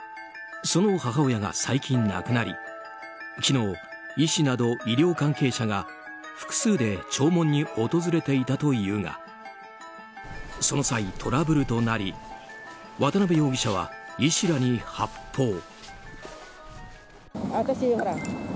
その母親が最近亡くなり昨日、医師など医療関係者が複数で弔問に訪れていたというがその際、トラブルとなり渡辺容疑者は医師らに発砲。